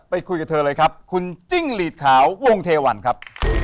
ไปคุยกับเธอเลยครับคุณจิ้งหลีดขาววงเทวันครับ